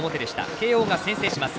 慶応が先制します。